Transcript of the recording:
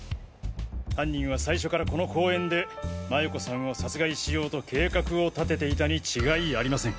犯人は最初からこの公園で麻也子さんを殺害しようと計画を立てていたに違いありません。